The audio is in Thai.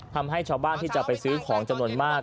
ทำให้ชาวบ้านที่จะไปซื้อของจำนวนมาก